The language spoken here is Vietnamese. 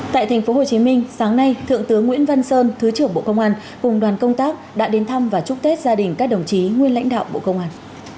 tại tp hcm sáng nay thượng tướng nguyễn văn sơn thứ trưởng bộ công an cùng đoàn công tác đã đến thăm và chúc tết gia đình các đồng chí nguyên lãnh đạo bộ công an